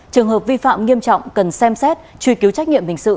trường hợp vi phạm nghiêm trọng cần xem xét truy cứu trách nhiệm hình sự